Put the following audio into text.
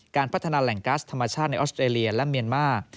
พัฒนาแหล่งกัสธรรมชาติในออสเตรเลียและเมียนมาร์